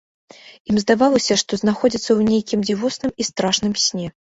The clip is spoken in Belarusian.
Ім здавалася, што знаходзяцца ў нейкім дзівосным і страшным сне.